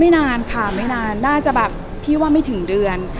นานค่ะไม่นานน่าจะแบบพี่ว่าไม่ถึงเดือน